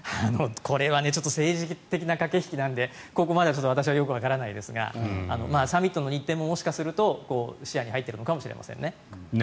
これは政治的な駆け引きなのでここまでは私はよくわからないですがサミットの日程ももしかすると視野に入っているのかもしれませんね。